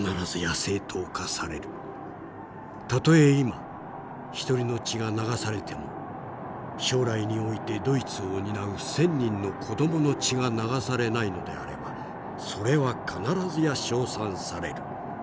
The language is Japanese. たとえ今一人の血が流されても将来においてドイツを担う１，０００人の子どもの血が流されないのであればそれは必ずや称賛される。